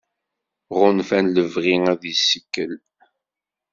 Ɣunfan lebɣi ad yessikel.